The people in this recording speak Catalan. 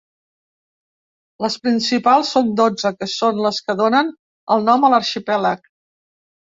Les principals són dotze, que són les que donen el nom a l'arxipèlag.